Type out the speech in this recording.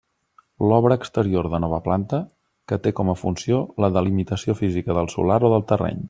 L'obra exterior de nova planta, que té com a funció la delimitació física del solar o del terreny.